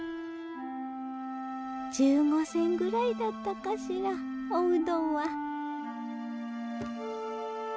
☎１５銭ぐらいだったかしらおうどんは。